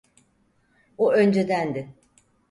O öncedendi.